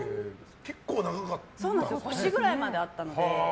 腰ぐらいまであったので。